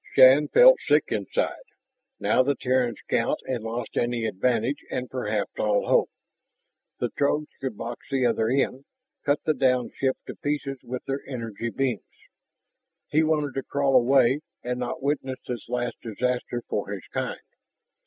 Shann felt sick inside. Now the Terran scout had lost any advantage and perhaps all hope. The Throgs could box the other in, cut the downed ship to pieces with their energy beams. He wanted to crawl away and not witness this last disaster for his kind.